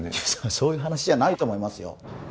そういう話じゃないと思いますよ